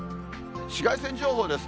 紫外線情報です。